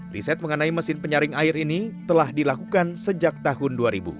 riset mengenai mesin penyaring air ini telah dilakukan sejak tahun dua ribu